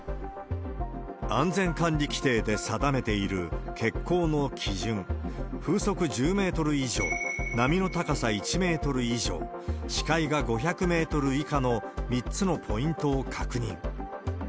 安全管理規定で定めている欠航の基準、風速１０メートル以上、波の高さ１メートル以上、視界が５００メートル以下の３つのポイントを確認。